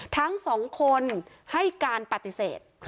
ทั้งสองคนให้การปฏิเสธ